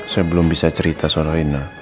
saya belum bisa cerita soal ena